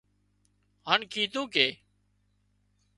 هانَ ڪيڌون ڪي